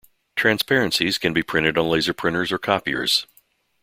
Transparencies can be printed on laser printers or copiers.